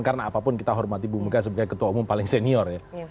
karena apapun kita hormati ibu muka sebagai ketua umum paling senior